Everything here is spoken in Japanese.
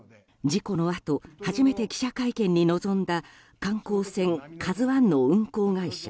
事故のあと初めて記者会見に臨んだ観光船「ＫＡＺＵ１」の運航会社